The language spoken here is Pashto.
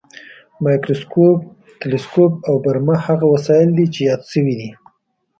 مایکروسکوپ، تلسکوپ او برمه هغه وسایل دي چې یاد شوي دي.